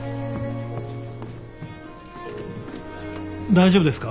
大丈夫ですか？